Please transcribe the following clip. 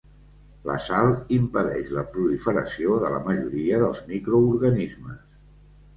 La sal impedeix la proliferació de la majoria dels microorganismes.